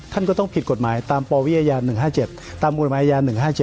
ท่านก็ต้องผิดกฎหมายตามปวิทยา๑๕๗ตามกฎหมายอาญา๑๕๗